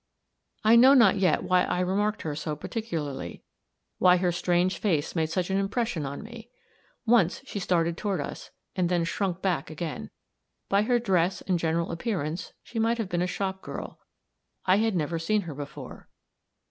I know not yet why I remarked her so particularly; why her strange face made such an impression on me. Once she started toward us, and then shrunk back again. By her dress and general appearance she might have been a shop girl. I had never seen her before.